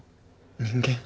人間。